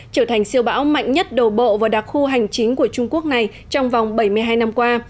trở thành siêu bão mạnh nhất đổ bộ vào đặc khu hành chính của trung quốc này trong vòng bảy mươi hai năm qua